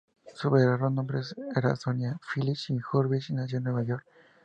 Su verdadero nombre era Sonia Phyllis Hurwitz, y nació en Nueva York.